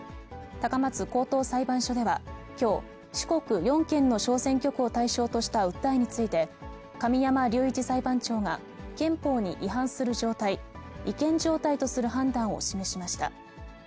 高松高等裁判所では、きょう、四国４県の小選挙区を対象とした訴えについて、神山隆一裁判長が、憲法に違反する状態、違憲状態とする判断を示しました。